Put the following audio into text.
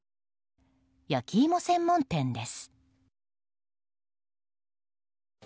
焼き芋専門店です。